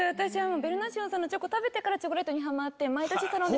ベルナシオンさんのチョコ食べてからチョコレートにハマって。